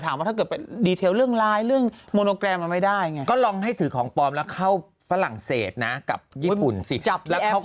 หลักคนเอเชีย์โดนแล้วก่อนที่จะเดินเข้าไปเนี่ย